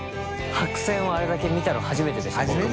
白線をあれだけ見たの初めてでした僕も。